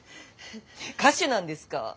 歌手なんですか？